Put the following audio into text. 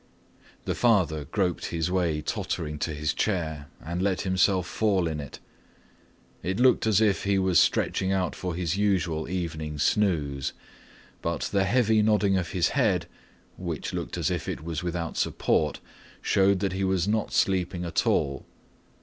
The father groped his way tottering to his chair and let himself fall in it. It looked as if he was stretching out for his usual evening snooze, but the heavy nodding of his head, which looked as if it was without support, showed that he was not sleeping at all.